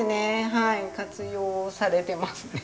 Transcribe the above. はい活用されてますね。